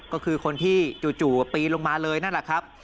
ก็คือคนที่จู่ปีนลงมาเลยนั่นแหละครับ